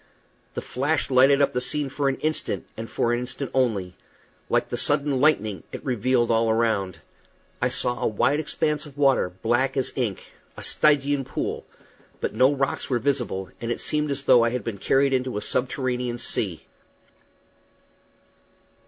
The flash lighted up the scene for an instant, and for an instant only; like the sudden lightning, it revealed all around. I saw a wide expanse of water, black as ink a Stygian pool; but no rocks were visible, and it seemed as though I had been carried into a subterranean sea.